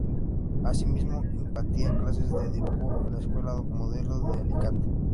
Asimismo, impartía clases de dibujo en la Escuela Modelo de Alicante.